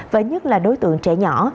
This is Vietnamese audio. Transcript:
và nhất là đối tượng trẻ nhỏ